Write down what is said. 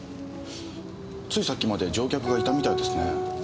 ついさっきまで乗客がいたみたいですね。